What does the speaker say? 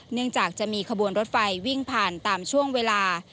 เนื่องจากจะมีขบวนรถไฟวิ่งผ่านตามช่วงเวลา